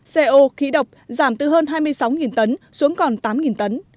co khí độc giảm từ hơn hai mươi sáu tấn xuống còn tám tấn